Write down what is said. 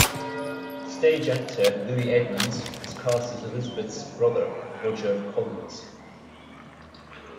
Stage actor Louis Edmonds was cast as Elizabeth's brother Roger Collins.